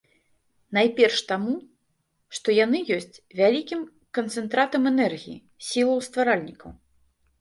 Найперш таму, што яны ёсць вялікім канцэнтратам энергіі, сілаў стваральнікаў.